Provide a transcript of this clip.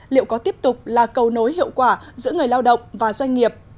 liệu có tiếp tục là cầu nối hiệu quả giữa người lao động và doanh nghiệp